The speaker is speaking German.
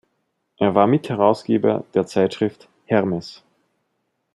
Er war Mitherausgeber der Zeitschrift "Hermes".